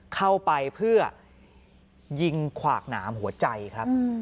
เข้าไปเพื่อยิงขวากหนามหัวใจครับ